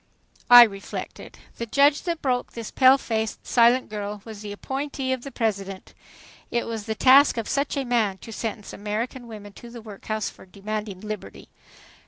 '' I reflected. The judge that broke this pale faced, silent girl was the appointee of the President. It was the task of such a man to sentence American women to the workhouse for demanding liberty.